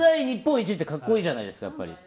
日本一って格好いいじゃないですか。